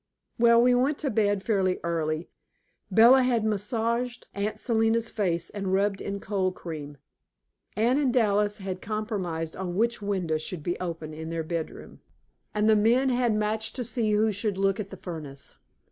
Well, we went to bed fairly early. Bella had massaged Aunt Selina's face and rubbed in cold cream, Anne and Dallas had compromised on which window should be open in their bedroom, and the men had matched to see who should look at the furnace.